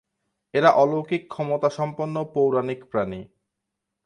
এরা অলৌকিক ক্ষমতাসম্পন্ন পৌরাণিক প্রাণী।